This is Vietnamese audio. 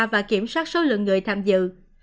và kiểm soát số lượng người tham dự